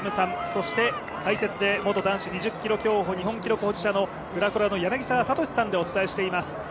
そして、解説で元男子２０ｋｍ競歩日本記録保持者のＦｒａｃｏｒａの柳澤哲さんでお送りしております。